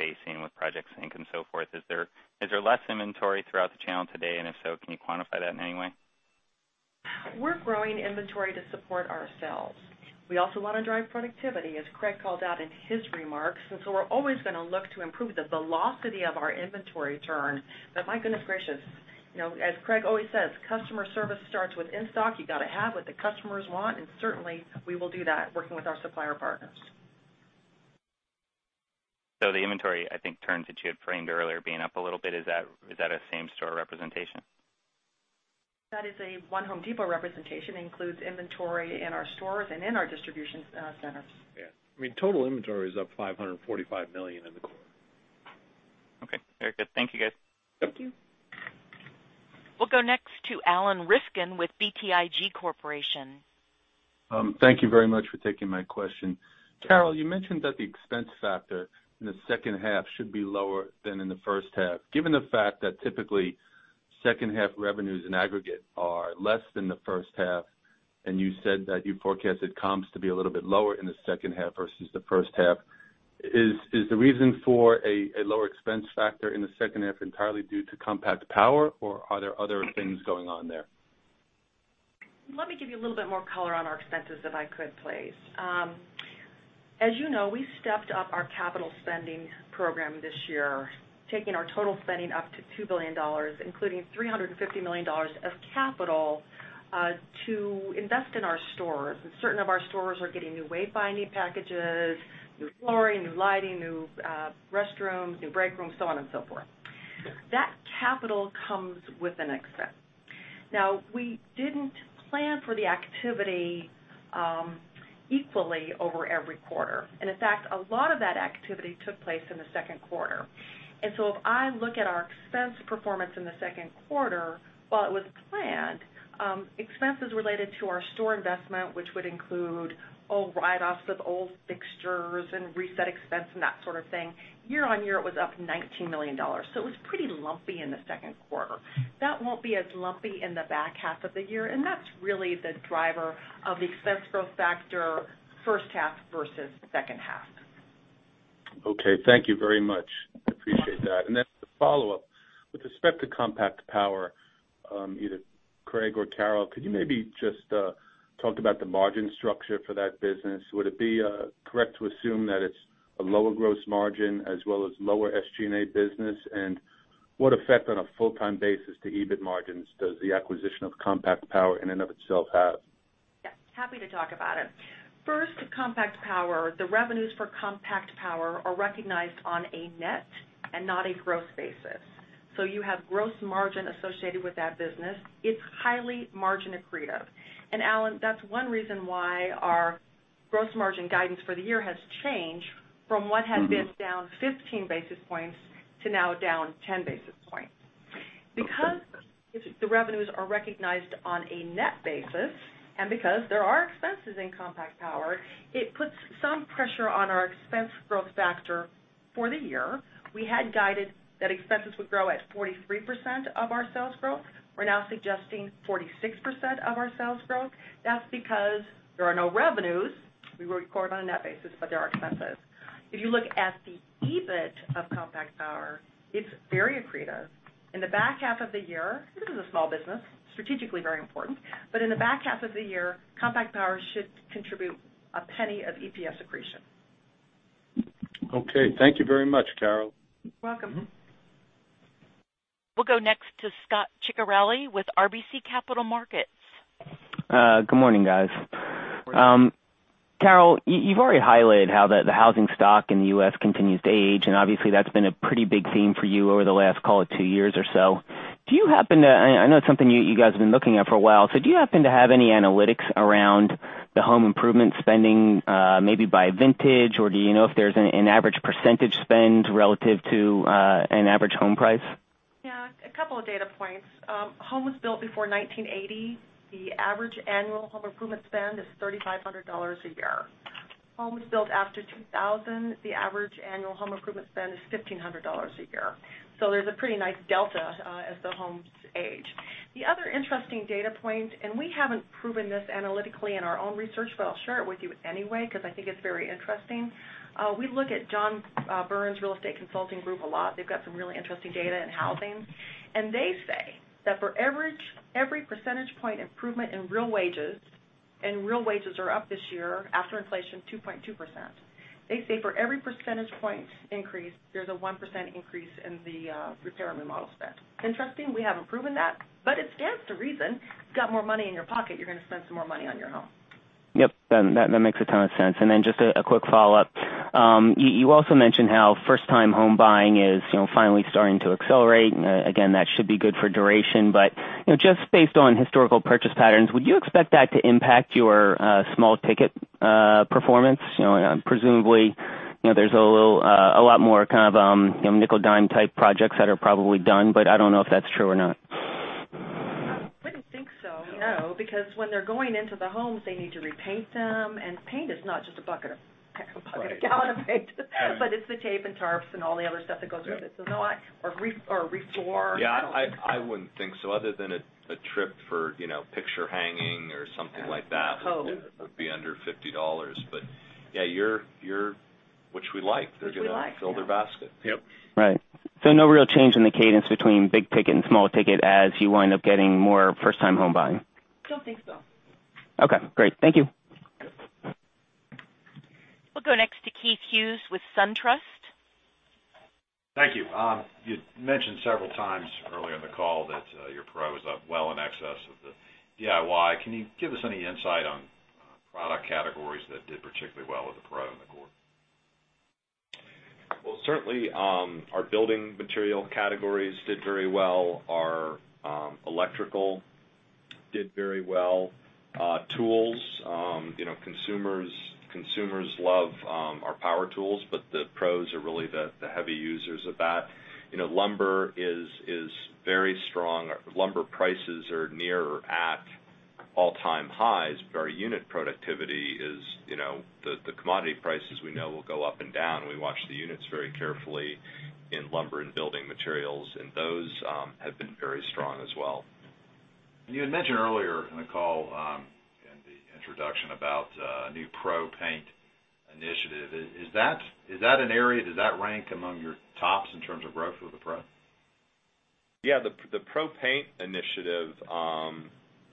facing with Supply Chain Sync and so forth? Is there less inventory throughout the channel today? If so, can you quantify that in any way? We're growing inventory to support ourselves. We also want to drive productivity, as Craig called out in his remarks, so we're always going to look to improve the velocity of our inventory turn. My goodness gracious, as Craig always says, customer service starts with in-stock. You got to have what the customers want, certainly we will do that working with our supplier partners. The inventory, I think turns that you had framed earlier being up a little bit, is that a same store representation? That is a one Home Depot representation. It includes inventory in our stores and in our distribution centers. Yeah. I mean, total inventory is up $545 million in the quarter. Okay. Very good. Thank you, guys. Thank you. We'll go next to Alan Rifkin with BTIG, LLC. Thank you very much for taking my question. Carol, you mentioned that the expense factor in the second half should be lower than in the first half. Given the fact that typically second half revenues in aggregate are less than the first half, and you said that you forecasted comps to be a little bit lower in the second half versus the first half, is the reason for a lower expense factor in the second half entirely due to Compact Power, or are there other things going on there? Let me give you a little bit more color on our expenses if I could, please. As you know, we stepped up our capital spending program this year, taking our total spending up to $2 billion, including $350 million of capital, to invest in our stores. Certain of our stores are getting new wayfinding packages, new flooring, new lighting, new restrooms, new break rooms, so on and so forth. That capital comes with an expense. Now, we didn't plan for the activity equally over every quarter. In fact, a lot of that activity took place in the second quarter. If I look at our expense performance in the second quarter, while it was planned, expenses related to our store investment, which would include old write-offs of old fixtures and reset expense and that sort of thing, year-on-year, it was up $19 million. It was pretty lumpy in the second quarter. That won't be as lumpy in the back half of the year, and that's really the driver of the expense growth factor first half versus second half. Okay. Thank you very much. Appreciate that. The follow-up, with respect to Compact Power, either Craig or Carol, could you maybe just talk about the margin structure for that business? Would it be correct to assume that it's a lower gross margin as well as lower SG&A business? What effect on a full-time basis to EBIT margins does the acquisition of Compact Power in and of itself have? Yeah, happy to talk about it. First, Compact Power. The revenues for Compact Power are recognized on a net and not a gross basis. You have gross margin associated with that business. It's highly margin accretive. Alan, that's one reason why our gross margin guidance for the year has changed from what had been down 15 basis points to now down 10 basis points. The revenues are recognized on a net basis, there are expenses in Compact Power, it puts some pressure on our expense growth factor for the year. We had guided that expenses would grow at 43% of our sales growth. We're now suggesting 46% of our sales growth. There are no revenues. We record on a net basis, there are expenses. If you look at the EBIT of Compact Power, it's very accretive. In the back half of the year, this is a small business, strategically very important, in the back half of the year, Compact Power should contribute $0.01 of EPS accretion. Okay. Thank you very much, Carol. Welcome. We'll go next to Scot Ciccarelli with RBC Capital Markets. Good morning, guys. Morning. Carol, you've already highlighted how the housing stock in the U.S. continues to age. Obviously, that's been a pretty big theme for you over the last, call it, two years or so. I know it's something you guys have been looking at for a while. Do you happen to have any analytics around the home improvement spending, maybe by vintage, or do you know if there's an average percentage spend relative to an average home price? Yeah, a couple of data points. Homes built before 1980, the average annual home improvement spend is $3,500 a year. Homes built after 2000, the average annual home improvement spend is $1,500 a year. There's a pretty nice delta as the homes age. The other interesting data point, and we haven't proven this analytically in our own research, but I'll share it with you anyway because I think it's very interesting. We look at John Burns Research and Consulting a lot. They've got some really interesting data in housing. They say that for every percentage point improvement in real wages, and real wages are up this year, after inflation, 2.2%. They say for every percentage point increase, there's a 1% increase in the repair and remodel spend. Interesting. We haven't proven that, but it stands to reason. Got more money in your pocket, you're going to spend some more money on your home. Yep. That makes a ton of sense. Just a quick follow-up. You also mentioned how first-time home buying is finally starting to accelerate. Again, that should be good for duration. Just based on historical purchase patterns, would you expect that to impact your small-ticket performance? Presumably, there's a lot more kind of nickel dime type projects that are probably done, but I don't know if that's true or not. I wouldn't think so, no, because when they're going into the homes, they need to repaint them, and paint is not just a bucket of paint. It's the tape and tarps and all the other stuff that goes with it. No, or re-floor. Yeah, I wouldn't think so, other than a trip for picture hanging or something like that would be under $50. Yeah, which we like. They're going to fill their basket. Yep. Right. No real change in the cadence between big ticket and small ticket as you wind up getting more first time home buying. Don't think so. Okay, great. Thank you. We'll go next to Keith Hughes with SunTrust. Thank you. You mentioned several times earlier in the call that your Pro is up well in excess of the DIY. Can you give us any insight on product categories that did particularly well with the Pro in the quarter? Well, certainly, our building material categories did very well. Our electrical did very well. Tools. Consumers love our power tools, but the Pros are really the heavy users of that. Lumber is very strong. Lumber prices are near or at all-time highs, but our unit productivity. The commodity prices we know will go up and down. We watch the units very carefully in lumber and building materials, and those have been very strong as well. You had mentioned earlier in the call, in the introduction about a new Pro Paint Initiative. Is that an area, does that rank among your tops in terms of growth with the Pro? Yeah. The Pro Paint Initiative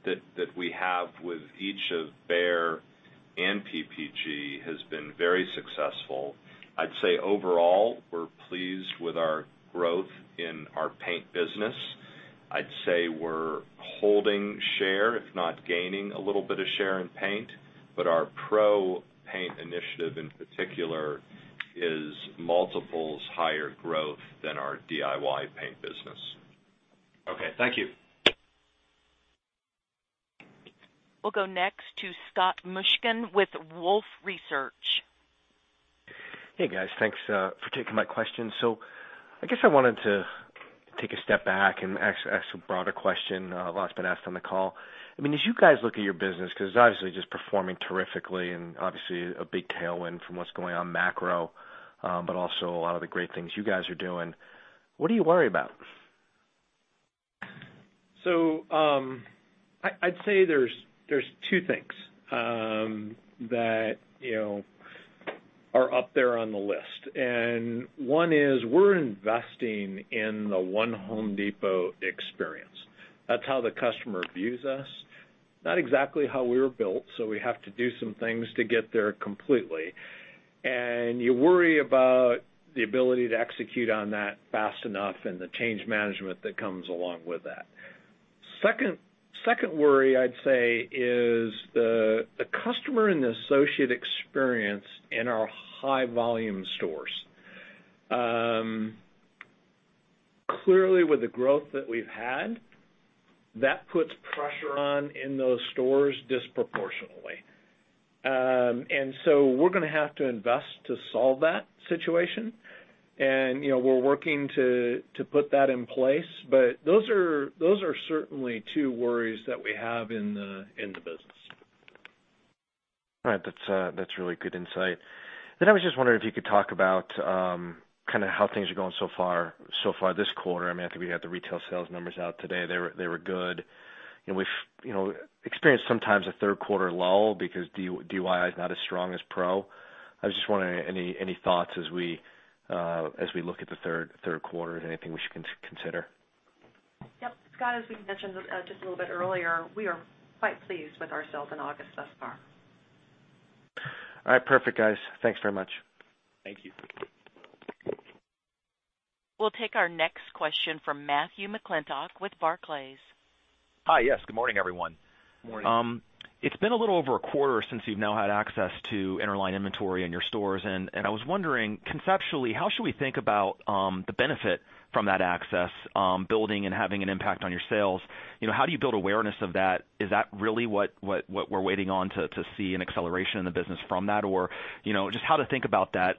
that we have with each of Behr and PPG has been very successful. I'd say overall, we're pleased with our growth in our paint business. I'd say we're holding share, if not gaining a little bit of share in paint. Our Pro Paint Initiative in particular is multiples higher growth than our DIY paint business. Okay. Thank you. We'll go next to Scott Mushkin with Wolfe Research. Hey, guys. Thanks for taking my question. I guess I wanted to take a step back and ask a broader question that's been asked on the call. As you guys look at your business, because obviously just performing terrifically and obviously a big tailwind from what's going on macro, also a lot of the great things you guys are doing, what do you worry about? I'd say there's two things that are up there on the list. One is we're investing in the one Home Depot experience. That's how the customer views us, not exactly how we were built, we have to do some things to get there completely. You worry about the ability to execute on that fast enough and the change management that comes along with that. Second worry, I'd say, is the customer and the associate experience in our high-volume stores. Clearly, with the growth that we've had, that puts pressure on in those stores disproportionately. We're going to have to invest to solve that situation, and we're working to put that in place. Those are certainly two worries that we have in the business. All right. That's really good insight. I was just wondering if you could talk about how things are going so far this quarter. I mean, I think we had the retail sales numbers out today. They were good, and we've experienced sometimes a third quarter lull because DIY is not as strong as Pro. I was just wondering, any thoughts as we look at the third quarter, anything we should consider? Yep. Scott, as we mentioned just a little bit earlier, we are quite pleased with ourselves in August thus far. All right. Perfect, guys. Thanks very much. Thank you. We'll take our next question from Matthew McClintock with Barclays. Hi, yes. Good morning, everyone. Morning. It's been a little over a quarter since you've now had access to Interline inventory in your stores, I was wondering, conceptually, how should we think about the benefit from that access building and having an impact on your sales? How do you build awareness of that? Is that really what we're waiting on to see an acceleration in the business from that, or just how to think about that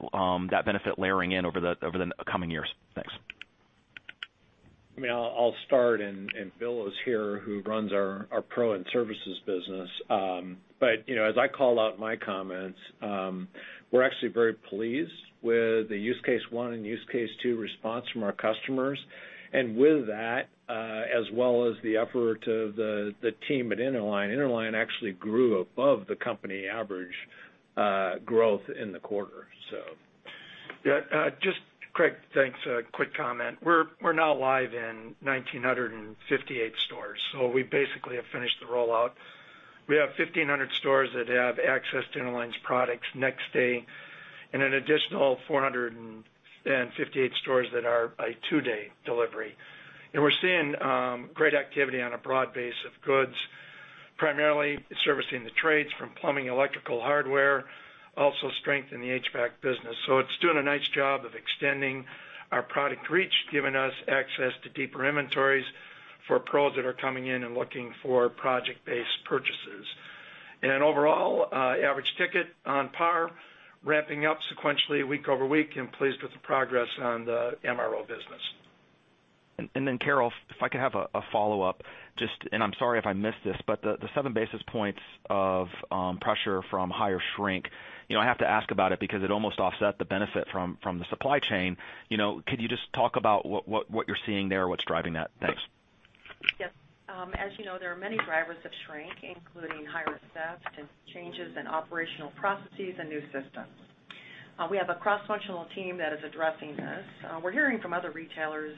benefit layering in over the coming years. Thanks. I mean, I'll start, and Bill is here, who runs our Pro and Services business. As I called out in my comments, we're actually very pleased with the use case 1 and use case 2 response from our customers. With that, as well as the effort of the team at Interline actually grew above the company average growth in the quarter. Craig, thanks. Quick comment. We're now live in 1,958 stores. We basically have finished the rollout. We have 1,500 stores that have access to Interline's products next day, an additional 458 stores that are a two-day delivery. We're seeing great activity on a broad base of goods, primarily servicing the trades from plumbing, electrical, hardware, also strength in the HVAC business. It's doing a nice job of extending our product reach, giving us access to deeper inventories for pros that are coming in and looking for project-based purchases. Overall, average ticket on par, ramping up sequentially week-over-week, pleased with the progress on the MRO business. Carol Tomé, if I could have a follow-up just, I'm sorry if I missed this, the seven basis points of pressure from higher shrink, I have to ask about it because it almost offset the benefit from the supply chain. Could you just talk about what you're seeing there, what's driving that? Thanks. Yes. As you know, there are many drivers of shrink, including higher theft and changes in operational processes and new systems. We have a cross-functional team that is addressing this. We're hearing from other retailers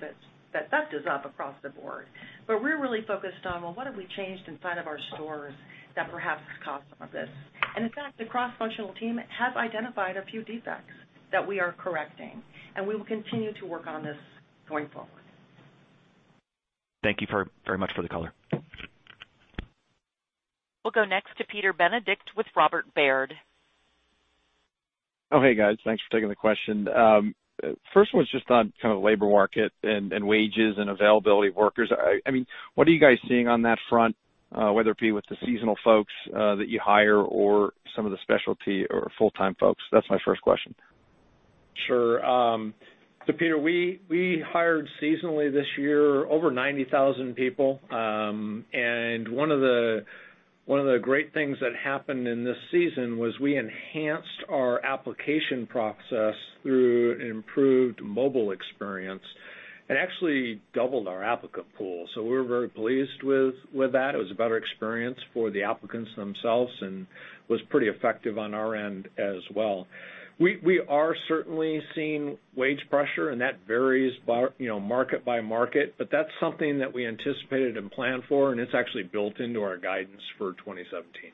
that theft is up across the board, we're really focused on, well, what have we changed inside of our stores that perhaps caused some of this? In fact, the cross-functional team has identified a few defects that we are correcting, we will continue to work on this going forward. Thank you very much for the color. We'll go next to Peter Benedict with Robert W. Baird. Oh, hey, guys. Thanks for taking the question. First one's just on kind of labor market and wages and availability of workers. I mean, what are you guys seeing on that front, whether it be with the seasonal folks that you hire or some of the specialty or full-time folks? That's my first question. Sure. Peter, we hired seasonally this year over 90,000 people. One of the great things that happened in this season was we enhanced our application process through an improved mobile experience and actually doubled our applicant pool. We're very pleased with that. It was a better experience for the applicants themselves and was pretty effective on our end as well. We are certainly seeing wage pressure, that varies market by market, that's something that we anticipated and planned for, and it's actually built into our guidance for 2017.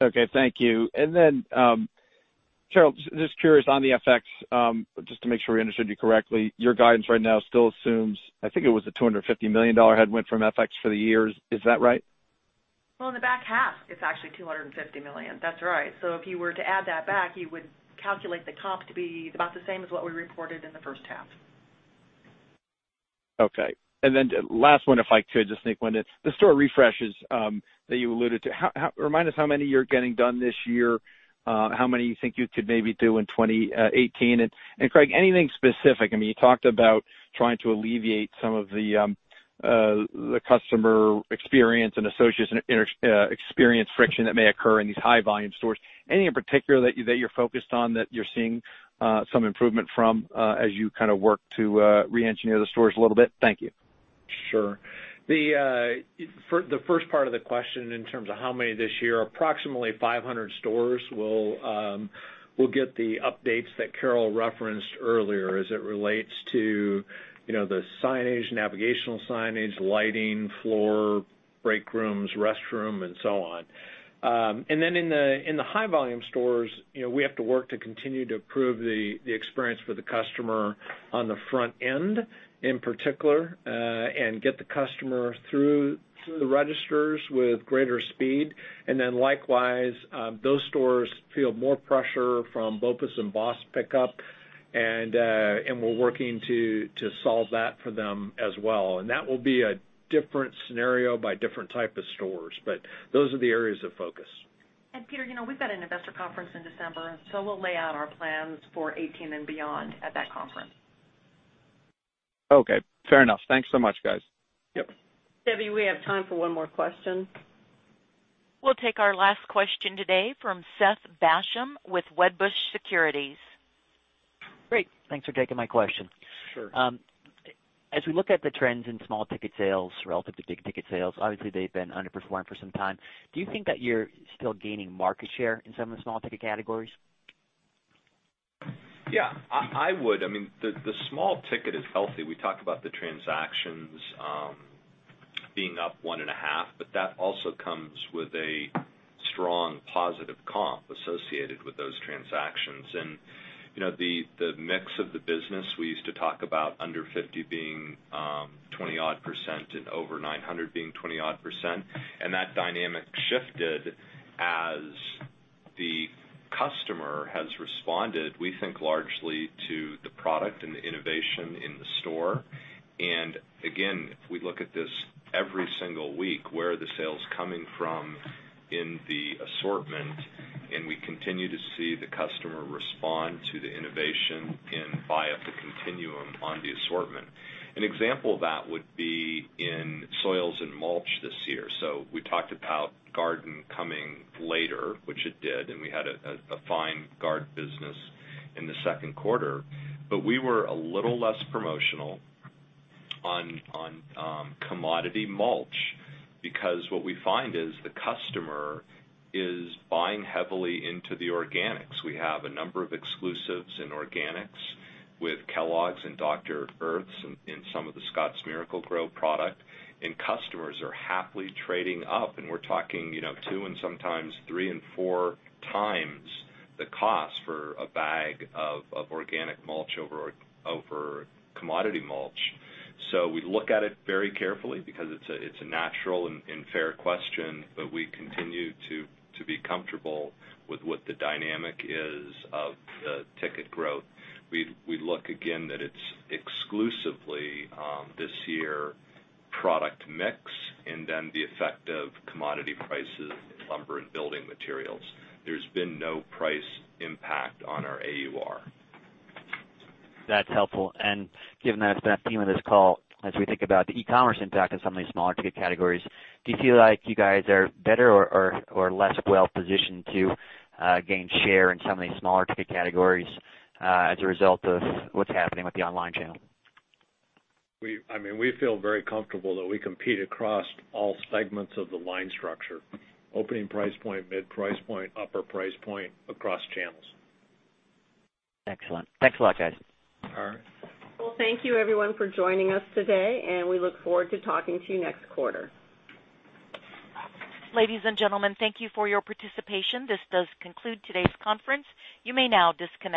Okay, thank you. Carol, just curious on the FX, just to make sure we understood you correctly, your guidance right now still assumes, I think it was a $250 million headwind from FX for the year. Is that right? Well, in the back half, it's actually $250 million. That's right. If you were to add that back, you would calculate the comp to be about the same as what we reported in the first half. Okay. Last one, if I could, just sneak one in. The store refreshes that you alluded to, remind us how many you're getting done this year, how many you think you could maybe do in 2018. Craig, anything specific? I mean, you talked about trying to alleviate some of the customer experience and associates experience friction that may occur in these high-volume stores. Any in particular that you're focused on that you're seeing some improvement from as you kind of work to re-engineer the stores a little bit? Thank you. Sure. The first part of the question in terms of how many this year, approximately 500 stores will get the updates that Carol referenced earlier as it relates to the signage, navigational signage, lighting, floor, break rooms, restroom, and so on. In the high-volume stores, we have to work to continue to improve the experience for the customer on the front end, in particular, and get the customer through the registers with greater speed. Likewise, those stores feel more pressure from BOPUS and BOSS pickup, we're working to solve that for them as well. That will be a different scenario by different type of stores. Those are the areas of focus. Peter, we've got an investor conference in December, we'll lay out our plans for 2018 and beyond at that conference. Okay, fair enough. Thanks so much, guys. Yep. Debbie, we have time for one more question. We'll take our last question today from Seth Basham with Wedbush Securities. Great. Thanks for taking my question. Sure. As we look at the trends in small-ticket sales relative to big-ticket sales, obviously they've been underperforming for some time. Do you think that you're still gaining market share in some of the small-ticket categories? Yeah, I would. The small ticket is healthy. We talked about the transactions being up one and a half, but that also comes with a strong positive comp associated with those transactions. The mix of the business, we used to talk about under 50 being 20-odd% and over 900 being 20-odd%. That dynamic shifted as the customer has responded, we think largely to the product and the innovation in the store. Again, we look at this every single week, where are the sales coming from in the assortment, and we continue to see the customer respond to the innovation and buy up the continuum on the assortment. An example of that would be in soils and mulch this year. We talked about garden coming later, which it did, and we had a fine garden business in the second quarter. We were a little less promotional on commodity mulch because what we find is the customer is buying heavily into the organics. We have a number of exclusives in organics with Kellogg's and Dr. Earth and some of the Scotts Miracle-Gro product. Customers are happily trading up, and we're talking two and sometimes three and four times the cost for a bag of organic mulch over commodity mulch. We look at it very carefully because it's a natural and fair question, but we continue to be comfortable with what the dynamic is of the ticket growth. We look again that it's exclusively this year product mix and then the effect of commodity prices in lumber and building materials. There's been no price impact on our AUR. That's helpful. Given that it's been a theme of this call, as we think about the e-commerce impact on some of these smaller ticket categories, do you feel like you guys are better or less well-positioned to gain share in some of these smaller ticket categories as a result of what's happening with the online channel? We feel very comfortable that we compete across all segments of the line structure. Opening price point, mid price point, upper price point across channels. Excellent. Thanks a lot, guys. All right. Well, thank you everyone for joining us today, and we look forward to talking to you next quarter. Ladies and gentlemen, thank you for your participation. This does conclude today's conference. You may now disconnect.